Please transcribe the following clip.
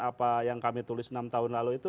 apa yang kami tulis enam tahun lalu itu